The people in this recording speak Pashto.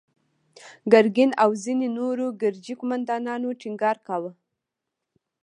ګرګين او ځينو نورو ګرجي قوماندانانو ټينګار کاوه.